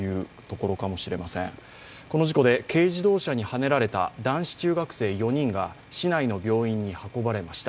この事故で軽自動車にはねられた男子中学生４人が市内の病院に運ばれました。